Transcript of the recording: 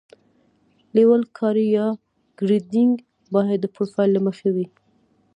لیول کاري یا ګریډینګ باید د پروفیل له مخې وي